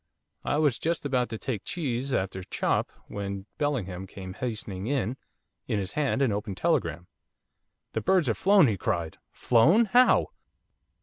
I was just about to take cheese after chop when Bellingham came hastening in, in his hand an open telegram. 'The birds have flown,' he cried. 'Flown! How?